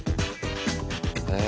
へえ。